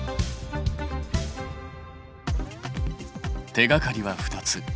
手がかりは２つ。